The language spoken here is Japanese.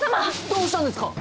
どうしたんですか？